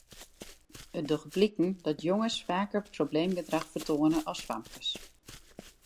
It docht bliken dat jonges faker probleemgedrach fertoane as famkes.